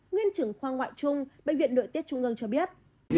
nguyên trưởng khoa ngoại trung bệnh viện nội tiết trung ương cho biết